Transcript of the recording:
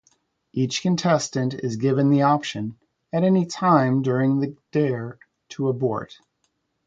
Each contestant is given the option, at any time during the dare, to abort.